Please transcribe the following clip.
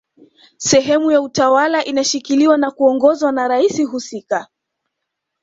sehemu ya utawala inashikiliwa na kuongozwa na rais husika